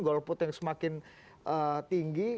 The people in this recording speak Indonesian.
golput yang semakin tinggi